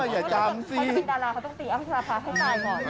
ถ้าเกิดเขาจะเป็นดาราเขาต้องตีอ้ำพัชราภาให้ตายก่อน